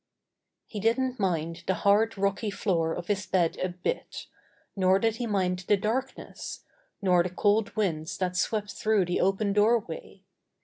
He didn't mind the hard rocky floor of his bed a bit, nor did he mind the darkness, nor the cold winds that swept through the open doorway.